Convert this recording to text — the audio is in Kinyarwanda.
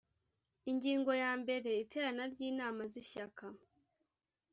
ingingo ya mbere iterana ry inama z ishyaka